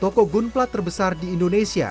toko gunpla terbesar di indonesia